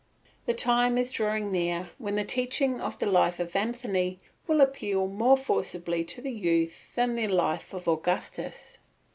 The time is drawing near when the teaching of the life of Anthony will appeal more forcibly to the youth than the life of Augustus.